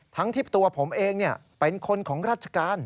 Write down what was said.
ทั้งที่ตัวผมเองเป็นคนของราชการ